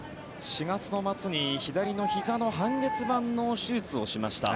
４月の末に左のひざの半月板の手術をしました。